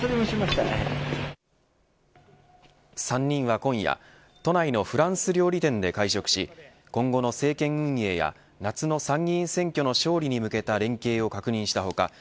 ３人は今夜都内のフランス料理店で会食し今後の政権運営や夏の参議院選挙の勝利に向けた連携を確認した他